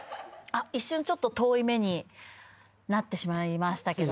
一瞬ちょっと遠い目になってしまいましたけど。